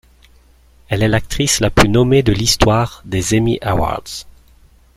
Elle est l'actrice la plus nommée de l'histoire des Emmy Awards.